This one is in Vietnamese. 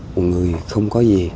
một người không có gì